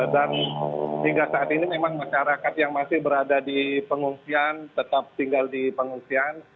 dan hingga saat ini memang masyarakat yang masih berada di pengungsian tetap tinggal di pengungsian